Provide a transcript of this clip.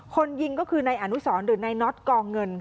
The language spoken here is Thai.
คนยิงก็คือนายอนุสรหรือนายน็อตกเงิน